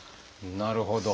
なるほど。